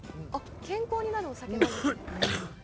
健康になるお酒なんですね？